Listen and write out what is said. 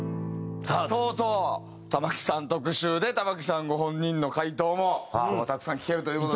さあとうとう玉置さん特集で玉置さんご本人の回答も今日はたくさん聞けるという。